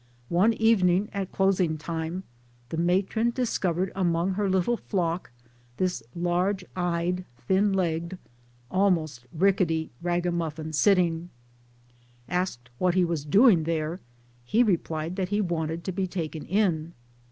One evening, at closing time, the matron discovered among her little flock this large eyed, thin legged almost rickety ragamuffin sitting I Asked what he was doing there he replied that he wanted to be taken in.